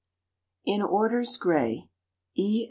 "IN ORDERS GRAY." E.